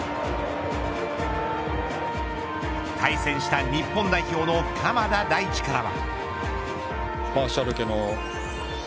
対戦した日本代表の鎌田大地からは。